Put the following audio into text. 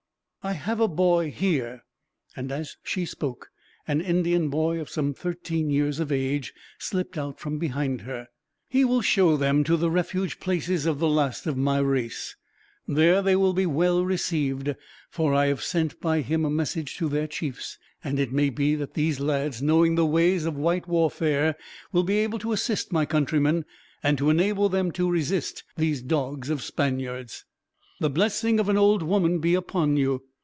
"I have a boy here." And as she spoke an Indian boy, of some thirteen years of age, slipped out from behind her. "He will show them to the refuge places of the last of my race. There they will be well received, for I have sent by him a message to their chiefs; and it may be that these lads, knowing the ways of white warfare, will be able to assist my countrymen, and to enable them to resist these dogs of Spaniards. "The blessing of an old woman be upon you.